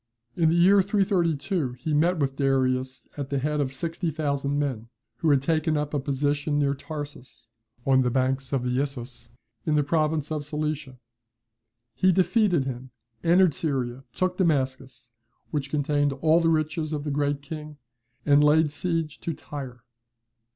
"In the year 332, he met with Darius at the head of sixty thousand men, who had taken up a position near Tarsus, on the banks of the Issus, in the province of Cilicia. He defeated him, entered Syria, took Damascus, which contained all the riches of the Great King, and laid siege to Tyre.